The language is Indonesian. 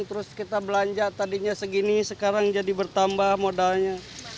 terus kita belanja tadinya segini sekarang jadi bertambah modalnya